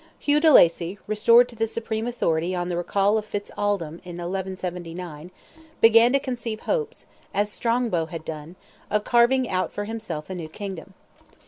Hugh de Lacy, restored to the supreme authority on the recall of Fitz Aldelm in 1179, began to conceive hopes, as Strongbow had done, of carving out for himself a new kingdom.